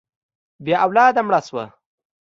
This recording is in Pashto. بې اولاده مړه شوه.